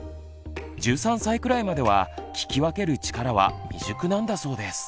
１３歳くらいまでは聞き分ける力は未熟なんだそうです。